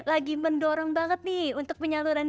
lagi mendorong banget nih untuk penyaluran